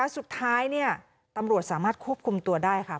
สุดท้ายตำรวจสามารถควบคุมตัวได้ค่ะ